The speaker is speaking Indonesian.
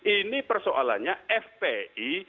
ini persoalannya fpi